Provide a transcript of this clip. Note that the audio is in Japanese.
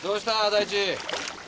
大地。